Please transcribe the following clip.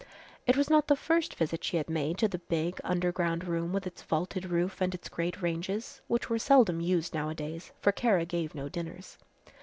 It was not the first visit she had made to the big underground room with its vaulted roof and its great ranges which were seldom used nowadays, for Kara gave no dinners.